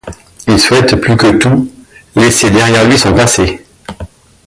Il souhaite plus que tout laisser derrière lui son passé.